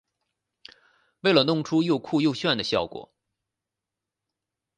为了弄出又酷又炫的效果